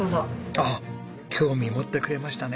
あっ興味持ってくれましたね。